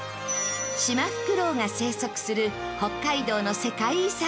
シマフクロウが生息する北海道の世界遺産。